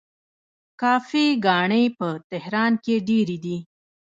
کافې ګانې په تهران کې ډیرې دي.